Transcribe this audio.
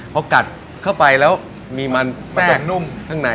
พอกัดเข้าไปแล้วมีมันแทรกข้างใน